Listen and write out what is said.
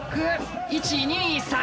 １２３！